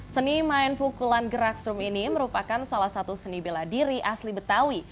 seni main pukulan gerak strum ini merupakan salah satu seni bela diri asli betawi